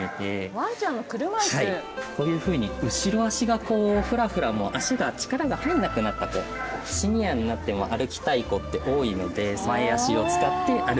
こういうふうに後ろ足がこうふらふらもう脚が力が入らなくなった子シニアになっても歩きたい子って多いので。